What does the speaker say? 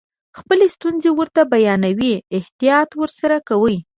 خپلې ستونزې ورته بیانوئ احتیاط ورسره کوئ.